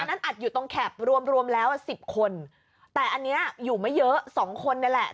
อันอัดอยู่ตรงแคปรวมรวมแล้วอ่ะสิบคนแต่อันนี้อยู่ไม่เยอะสองคนนี่แหละ